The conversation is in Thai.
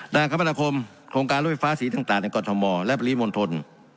คมนาคมโครงการรถไฟฟ้าสีต่างในกรทมและปริมณฑล